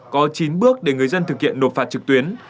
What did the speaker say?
có chín bước để người dân thực hiện nộp phạt trực tuyến